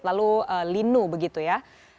lalu linu begitu ya